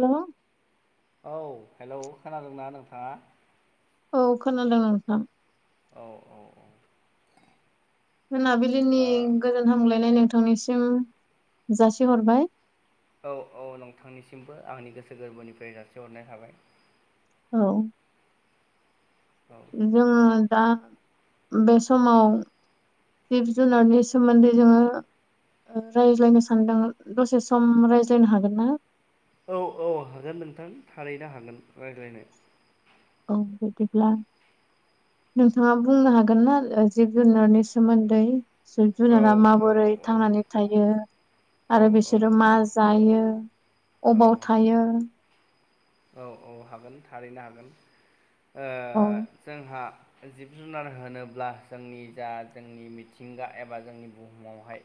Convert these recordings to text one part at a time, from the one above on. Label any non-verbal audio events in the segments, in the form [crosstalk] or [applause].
हेल' औ- हेलौ खोनादोंना नोंथाङा औ- खोनादों नोंथां औ औ औ। मोनाबिलिनि गोजोन हामगलायनाय नोंथांनिसिम जासिहरबाय औ औ नोंथांनिसिमबो आंनि गोसो गोरबोनिफ्राय जासिहरनाय हाबाय औ। औ जोङो दा बे समाव जिब जुनारनि सोमोन्दै जोङो ओ- रायज्लायनो सानदों दसे सम रायज्लायनो हागोन ना औ औ हागोन नोंथां थारैनो हागोन रायज्लायनो औ बिदिब्ला नोंथाङा बुंनो हागोन ना ओ जिब जुनारनि सोमोन्दै जिब औ जुनारा माबोरै औ थांनानै थायो। औ आरो बिसोरो मा जायो औ अबाव थायो। औ औ हागोन थारैनो हागोन ओ औ जोंहा जिब जुनार होनोब्ला जोंनि जा जोंनि मिथिंगा एबा जोंनि बुहुमावहाय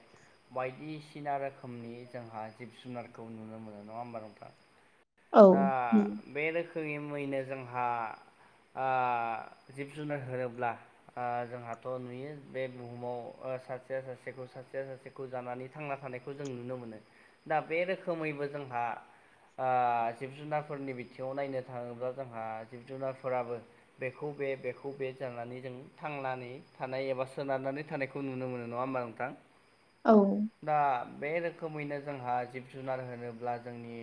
बायदिसिना रोखोमनि जोंहा जिब जुनारखौ नुनो मोनो नङा होमबा नोंथा औ। बे रोखोमनि मैनो जोंहा ओ जिब जुनार होनोब्ला ओ जोंहाथ' नुयो बे बुहुमाव सासेया सासेखौ, सासेया सासेखौ जानानै थांना थानायखौ जों नुनो मोनो। दा बे रोखोमैबो जोंहा ओ- जिब -जुनार [unintelligible] बिथिङाव नायनो थाङोब्ला जोंहा जिब -जुनारफोराबो बेखौ बे बेखौ बे जानानै जों थांनानै थानाय एबा सोनारनानै थानायखौ नुनो मोनो नङा होमबा नोंथां? औ दा- बे रोखोमैनो जोंहा जिब- जुनार होनोब्ला जोंनि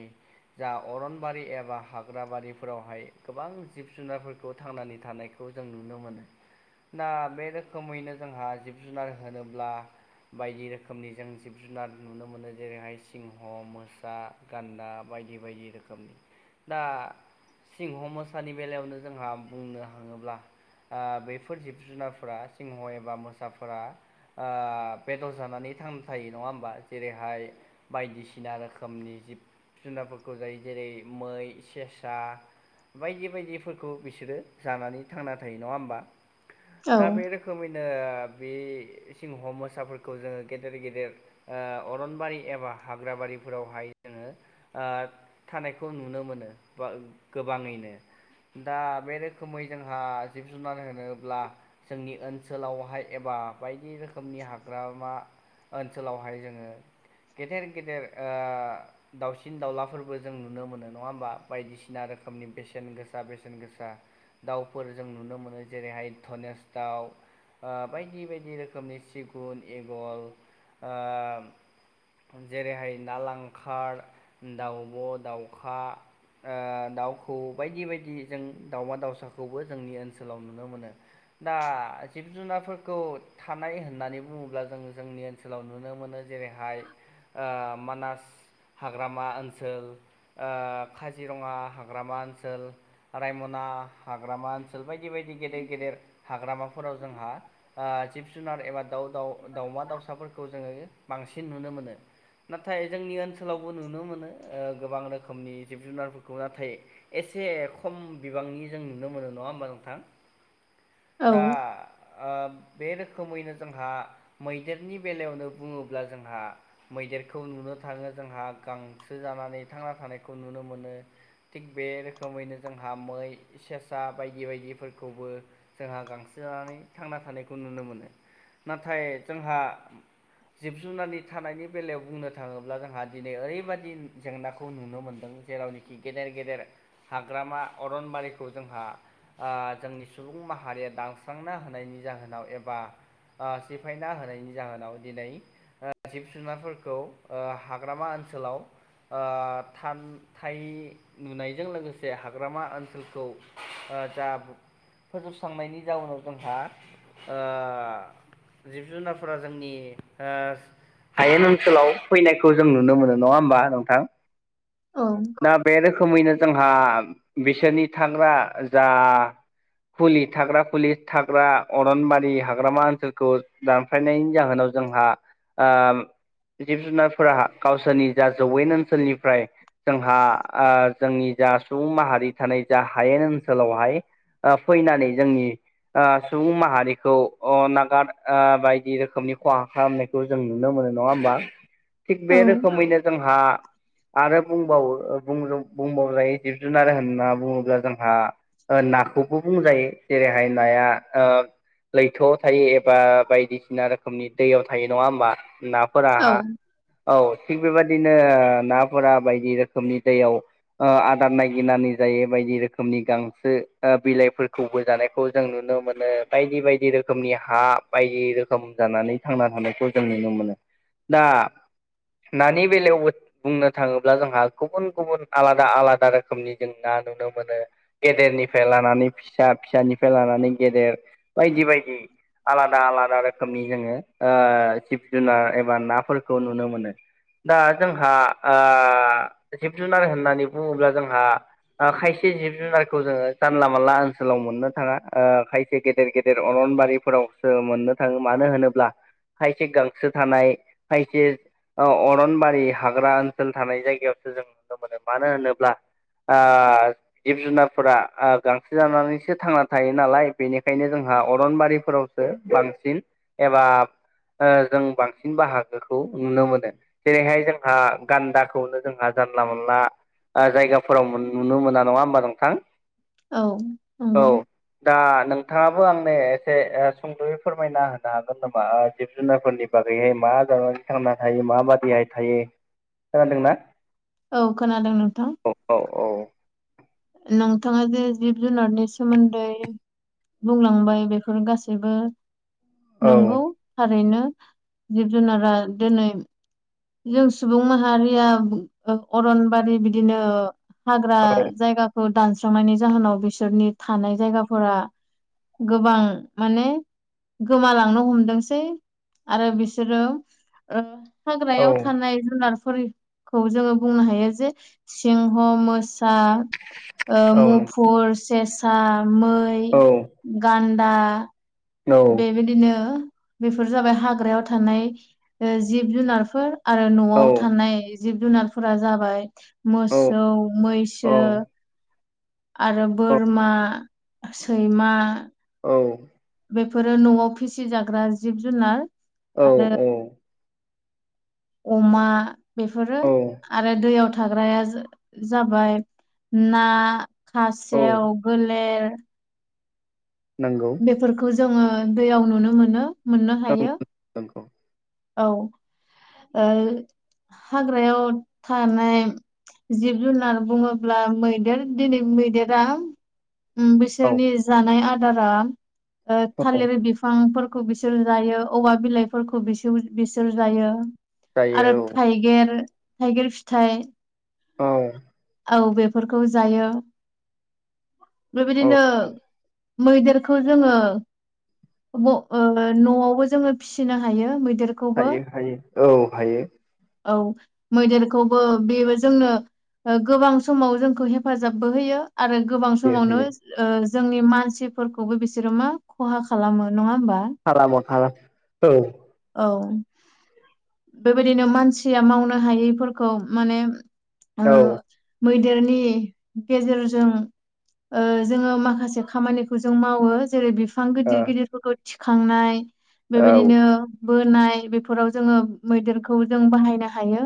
जा अरनबारि [unintelligible] एबा हाग्रा बारिफोरावहाय गोबां जिब -जुनारफोरखौ थांनानै थानायखौ जों नुनो मोनो। ना बे रोखोमैनो जोंहा जिब -जुनार होनोब्ला बायदि रोखोमनि जों जिब -जुनार नुनो मोनो जेरैहाय- सिंह, मोसा, गान्दा बायदि -बायदि रोखोमनि दा- सिंह, मोसानि बेलायावनो जोंहा बुंनो थाङोब्ला ओ- बेफोर जिब -जुनारफोरा सिंह एबा मोसाफोरा ओ- बेदर जानानै थां थायो नङा होमबा? जेरैहाय बायदिसिना रोखोमनि जिब जुनारफोरखौ जायो जेरै मै सेसा बायदि- बायदिफोरखौ बिसोरो जानानै थांना थायो नङा होमबा? दा बे रोखोमैनो बे सिंह मोसाफोरखौ जोङो गेदेर- गेदेर ओ अरनबारि एबा हाग्राबारिफोरावहाय जोङो ओ थानायखौ नुनो मोनो। [unintelligible] गोबाङैनो दा बे रोखोमै जोंहा जिब- जुनार होनोब्ला जोंनि ओनसोलावहाय एबा [unintelligible] बायदि रोखोमनि हाग्रामा ओनसोलावहाय जोङो गेदेर- गेदेर ओ दाउसिन -दाउलाफोरबो जों नुनो मोनो नङा होमबा? बायदिसिना रोखोमनि बेसेन गोसा, बेसेन गोसा दाउफोर जों नुनो मोनो। जेरैहाय [unintelligible] फास्थाव बायदि -बायदि रोखोमनि सिगुन एगल ओ जेरैहाय ना लांखार, दाउब', दाउखा ओ दाउ खौऔ बायदि बायदि जों दावमा- दाउसाखौबो जोंनि ओनसोलाव नुनो मोनो। दा जिब- जुनारफोरखौ थानाय होननानै बुङोब्ला जों जोंनि ओनसोलाव नुनो मोनो। जे जेरैहाय ओ मानास हाग्रामा ओनसोल ओ काजिरङा हाग्रामा ओनसोल, रायमना हाग्रामा ओनसोल बायदि- बायदि गेदेर- गेदेर हाग्रामाफोराव जोंहा ओ जिब -जुनार एबा दाउ- दाउ- दाउमा -दाउसाफोरखौ जोङो बांसिन नुनो मोनो। नाथाय जोंनि ओनसोलावबो नुनो मोनो ओ गोबां रोखोमनि जिब -जुनारफोरखौ नाथाय एसे खम बिबांनि जों नुनो मोनो नङा होमबा नोंथां? औ दा ओ बे रोखोमैनो जोंहा मैदेरनि बेलायावनो बुङोब्ला जोंहा मैदेरखौ नुनो [unintelligible] थाङो जोंहा गांसो जानानै थांना थानायखौ नुनो मोनो। थिग बे रोखोमैनो जोंहा मै, सेेसा बायदि- बायदिफोरखौबो जोंहा गांसो जानानै थांना थानायखौ नुनो मोनो। नाथाय जोंहा जिब - जुनार थानायनि बेलायाव बुंनो थाङोब्ला, जोंहा दिनै ओरैबादि जेंनाखौ नुनो मोनदों जेरावनोखि गेदेर - गेदेर हाग्रामा अरनबारिखौ जोंहा ओ जोंनि सुबुं सुबुं माहारिया दानस्रांना होनायनि जाहोनाव एबा ओ सिफायना होनायनि जाहोनाव दिनै जिब- जुनारफोरखौ हाग्रामा ओ ओनसोलाव ओ [unintelligible] [unintelligible] नुनायजों लोगोसे हाग्रामा ओनसोलखौ ओ जा फोजोबस्रांनायनि जाउनाव जोंहा ओ जिब -जुनारफोरा जोंनि ओ हायेन ओनसोलाव फैनायखौ जों नुनो मोनो नङा होमबा नोंथां? औ दा बे रोखोमैनो जोंहा बिसोरनि थाग्रा जा खुलि थाग्रा खुलि थाग्रा अरनबारि हाग्रामा ओनसोलखौ दानफायनायनि जाहोनाव जोंहा ओ जिब जुनारफोरा गावसोरनि जा जौवेन ओनसोलनिफ्राय जोंहा ओ जोंनि जा सुबुं माहारि थानाय जा हायेन ओनसोलावहाय ओ फैनानै जोंनि ओ सुबुं माहारिखौ अ नागार बायदि रोखोमनि खहा खालामनायखौ जों नुनो मो नो नङा होमबा थिग बे औ रोखोमैनो जोंहा आरो बुंबाव बुंबावजायो जिब जुनार होनना बुङोब्ला जोंहा ओ नाखौबो बुंजायो जेरैहाय नाया ओ लैथोआव थायो एबा बायदिसिना रोखोमनि दैयाव थायो नङा होमबा औ नाफोराहा औ थिग बेबायदिनो नाफोरा बायदि बायदि रोखोमनि दैयाव आदार नागिरनानै जायो बायदि रोखोमनि गांसो ओ बिलाइफोर खौबो जानायखौ जों नुनो मोनो बायदि बायदि रोखोमनि हा बायदि रोखोम जानानै थांनानै थाबोनायखौ जों नुनो मोनो दा नानि बेलायावबो बुंनो थाङोब्ला जोंहा गुबुन गुबुन आलादा आलादा रोखोमनि जों ना नुनो मोनो। गेदेरनिफ्राय लानानै फिसा फिसानिफ्राय लानानै गेदेर बायदि बायदि आलादा आलादा रोखोमनि जोङो ओ जिब जुनार एबा नाफोरखौ नुनो मोनो। दा जोंहा ओ जिब जुनार होननानै बुङोब्ला जोंहा ओ खायसे जिब जुनारखौ जोङो जानला मोनला ओनसोलाव मोननो थाङा ओ खायसे गेदेर गेदेर अरनबारिफोरावसो मोननो थाङो मानो होनोब्ला खायसे गांसो थानाय खायसे अरनबारि हाग्रा ओनसोल थानाय जायगा यावसो जों नुनो मोनो मानो होनोब्ला ओ जिब जुनारफोरा ओ गांसो जानानैसो थांना थायो नालाय बेनिखायनो जोंहा ओ अरनबारिफोरावसो बांसिन एबा जों बांसिन बाहागोखौ नुनो मोनो जेरैहाय जोंहा गान्दाखौनो जोंहा जानला मोनला जायगाफोराव नुनो मोना नङा होमबा नोंथां। औ औ नंगौ। दा नोंथाङाबो आंनो एसे सुंद'यै फोरमायना होनो हागोन नामा जिब जुनारफोरनि बागैहाय मा मा जानानै थांना थायो माबादियै थायो खोनादोंना? औ खोनादों नोंथां औ औ नोंथाङा जे जिब जुनारनि सोमोन्दै बुंलांबाय बेफोर गासैबो औ नंगौ थारैनो जिब जुनारा दिनै जों सुबुं माहारिया अरनबारि बिदिनो हाग्रा जायगाखौ दानस्रांनायनि जाहोनाव बिसोरनि थानाय जायगाफोरा गोबां माने गोमालांनो हमदोंसै आरो बिसोरो औ हाग्रायाव थानाय जुनारफोरखौ जोङो बुंनो हायो जे सिंह मोसा ओ औ मुफुर सेसा मै औ गान्दा दा नंगौ बेबायदिनो बेफोर जाबाय हाग्रायाव थानाय ओ जिब जुनारफोर आरो न'आव थानाय जिब जुनारफोरा जाबाय औ मोसौ औ मैसो आरो औ बोरमा सैमा औ बेफोरो न'आव फिसिजाग्रा जिब जुनार। औ आरो औ अमा बेफोरो आरो दैयाव थाग्राया जाबाय ना, औ खासेव, गोलेर नंगौ बेफोरखौ जोङो दैयाव नुनो मोनो मोननो हायो। नंगौ नंगौ औ ओ हाग्रायाव थानाय जिब जुनार बुङोब्ला मैदेर दिनै मैदेरा ओम औ बिसोरनि जानाय आदारा ओ औ थालिर बिफांफोर बिसोर जायो औवा बिलाइफोरखौ बिसोर बिसोर जायो। आरो जायो थाइगिर थाइगिर फिथाइ औ। औ बेफोरखौ जायो औ बेबायदिनो मैदेरखौ जोङो ब ओ न'आवबो जोङो फिसिनो हायो मै हायो हायो औ हायो। औ मैदेरखौबो बेबो जोंनो ओ गोबां समाव जोंखौ हेफाजाबबो होयो। आरो गोबां हायो समावनो हायो ओ जोंनि मानसिफोरखौबो बिसोरो मा खहा खालामो। नङा होमबा [unintelligible] औ। औ बेबायदिनो मानसिया मावनो हायैफोरखौ माने ओ औ। मैदेरनि गेजेरजों ओ जोङो माखासे खामानिखौ जों मावो जेरै बि बिफां ओ गिदिर गिदिरफोरखौ थिखांनाय औ बेबायदिनो बोनाय बेफोराव जोङो मैदेरखौ जों बाहायनो हायो।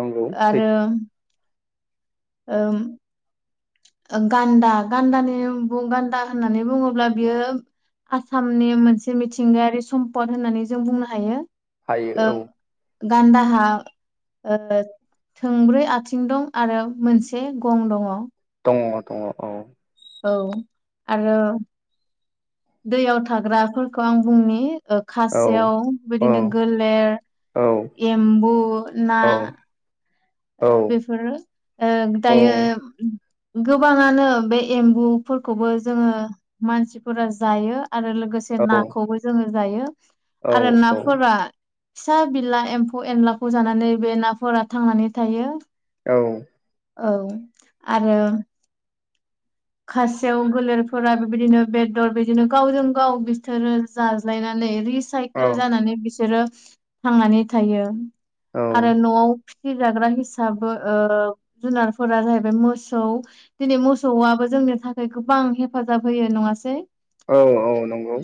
नंगौ आरो सैथो ओ गान्दा गान्दानि बुं गान्दा होननानै बुङोब्ला बियो आसामनि मोनसे मिथिंगायारि सम्पद होननानै जों बुंनो हायो। ओ हायो औ। गान्दाहा ओ थोंब्रै आथिं दं आरो मोनसे गं दङ'। दङ दङ औ। औ आरो दैयाव थाग्राफोरखौ आं बुंनि ओ औ खासेयाव औ बिदिनो गोलेर औ एमबु, ना औ ओ बेफोरो ओ दायो गोबाङानो बे एम्बुफोरखौबो जोङो मानसिफोरा जायो। आरो लोगोसे औ औ नाखौबो जोङो जायो औ आरो नाफोरा फिसा बिला एम्फौ एनलाखौ जानानै बे नाफोरा थांनानै थायो। औ। औ आरो खासेव गोलेरफोरा बेबायदिनो बेदर बिदिनो गावजों गाव बिसोरो जाज्लायनानै रिस औ साइकेल जानानै बिसोरो थांनानै थायो औ आरो न'आव फिसिजाग्रा हिसाबै ओ जुनारफोरा जाहैबाय मोसौ दिनै मोसौआबो जोंनि थाखाय गोबां हेफाजाब होयो नङासै? औ औ नंगौ।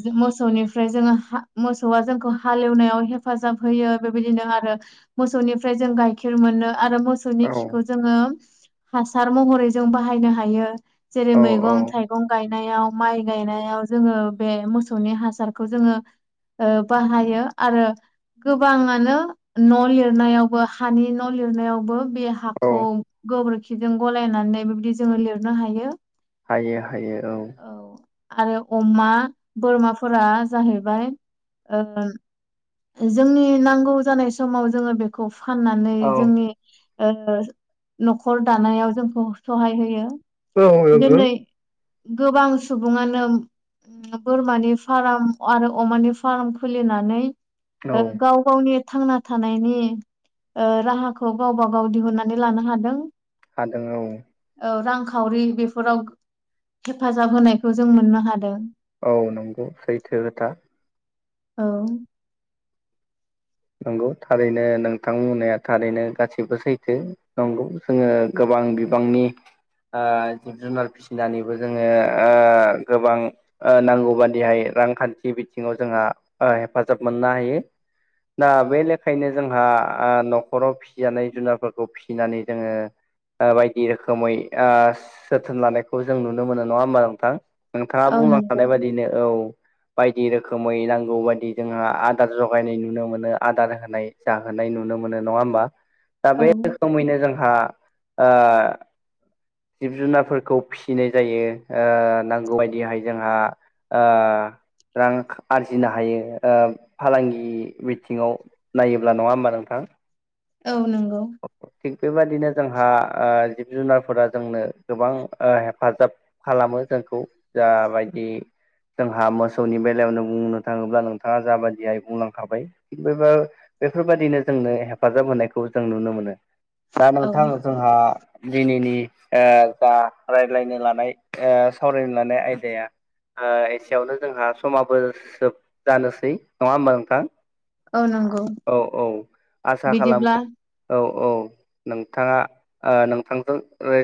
ओमफ्राय जोङो हा मोसौआ जोंखौ हालेवनायाव हेफाजाब होयो। बेबायदिनो आरो मोसौनिफ्राय जों गाइखेर मोनो। आरो मोसौनि औ खिखौ जोङो हासार महरै जों बाहायनो हायो। जेरै औ मैगं थाइगं गाय नायाव, माइ गायनायाव जोङो बे मोसौनि हासारखौ जोङो ओ बाहायो आरो गोबाङानो न' लिरनायावबो हानि न' लिरनायावबो बे हाखौ औ गोबोरखिजों गलायनानै बेबायदि जोङो लिरनो हायो। हायो हायो औ। आरो अमा बोरमाफोरा जाहैबाय ओ जोंनि नांगौ जानाय समाव जोङो बेखौ फाननानै औ जोंनि ओ न'खर दानायाव जोंखौ सहाय होयो। औ नंगौ। दिनै गोबां सुबुङानो बोरमानि फार्म आरो अमानि फार्म खुलिनानै औ ओ गाव- गावनि थांना थानायनि राहाखौ गावबा- गाव दिहुननानै लानो हादों। हादों औ। रांखावरि बेफोराव हेफाजाब होनायखौ जों मोननो हादों। औ नंगौ सैथो खोथा। औ। नंगौ थारैनो नोंथां बुंनाया थारैनो गाससिबो सैथो नंगौ जोङो गोबां गोबां बिबांनि ओ जिब -जुनार फिसिनानैबो जोङो ओ गोबां नांगौ बादिहाय रांखान्थि बिथिङाव जोंहा हेफाजाब मोननो हायो। दा बे लेखायनो जोंहा न'खराव फिजानाय जुनारफोरखौ फिसिनानै जोङो बायदि रोखोमै ओ जोथोन लानायखौ जों नुनो मोनो नङा होमबा नोंथां? नोंथाङा औ नंगौ बुंलांखानाय बायदिनो औ। बायदि रोखोमै नांगौ बाददि जोंहा आदार जगायनाय नुनो मोनो। दार होनाय जाहोनाय नुनो मोनो नङा होनबा? दा औ बे रोखैनो जों हा ओ जिब- जुनारफोरखौ फिसिनाय जायो नांगौ बायदिहाय जोंहा ओ रां आरजिनो हायो फालांगि बिथिङाव नायोब्ला नङा होमबा नोंथां? औ नंगौ। थिग बेबायदिनो जोंहा जिब जुनारफोरा जोंनो गोबां हेफाजाब खालामो। जोंखौ जाबायदि जोंहा मोसौनि बेलायावनो बुंनो थाङोब्ला नोंथाङा जाबायदियाय बुंलांखाबाय बेफोरबायदिनो जोंनो हेफाजाब होनायखौ जों नुनो मोनो दा औ नोंथां जोंहा दिनैनि ओ जा रायज्लायनो लानाय ओ सावरायनो लानाय आयदाया एसेयावनो जोंहा समाबो जोब जानोसै नङा होमबा नोंथां? औ नंगौ औ औ आसा बिदिब्ला खालामो औ औ नोंथाङा नोंथांजों